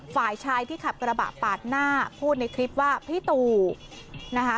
ฝ่ายชายที่ขับกระบะปาดหน้าพูดในคลิปว่าพี่ตูนะคะ